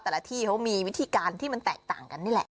ที่เขามีวิธีการที่มันแตกต่างกันนี่แหละ